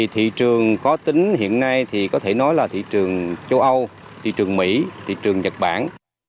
thị trường khó tính hiện nay thì có thể nói là thị trường châu âu thị trường mỹ thị trường nhật bản